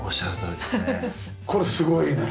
これすごいね。